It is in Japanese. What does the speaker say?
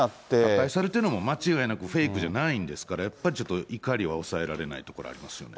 破壊されてるのは、間違いなくフェイクじゃないんですから、やっぱりちょっと怒りは抑えられないところありますよね。